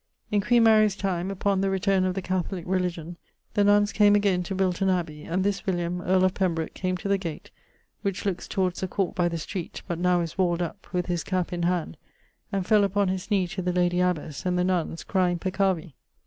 In queen Mary's time, upon the returne of the Catholique religion, the nunnes came again to Wilton abbey, and this William, earl of Pembroke, came to the gate (which lookes towards the court by the street, but now is walled up) with his cappe in hand, and fell upon his knee to the lady abbesse[LXXXVII.] and the nunnes, crying peccavi.